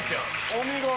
お見事。